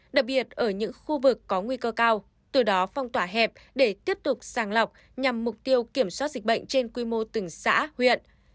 đặc biệt ở những khu vực có nguy cơ cao từ đó phong tỏa hẹp để tiếp tục sàng lọc nhằm mục tiêu kiểm soát dịch bệnh trên quy mô từng xã huyện